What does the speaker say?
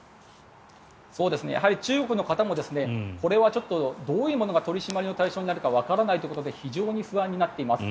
やはり中国の方もこれはちょっと、どういうものが取り締まりの対象になるのかわからないということで非常に不安になっています。